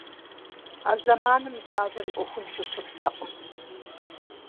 А зэманым нысащӀэри Ӏуэхуншэу щыстэкъым.